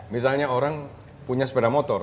misalnya orang punya sepeda motor